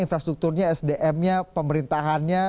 infrastrukturnya sdm nya pemerintahannya